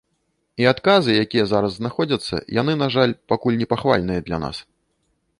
І адказы, якія зараз знаходзяцца, яны, на жаль, пакуль непахвальныя для нас.